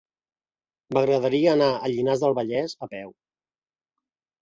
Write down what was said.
M'agradaria anar a Llinars del Vallès a peu.